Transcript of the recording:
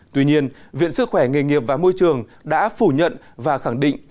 tuy nhiên viện sức khỏe nghề nghiệp và môi trường đã phủ nhận và khẳng định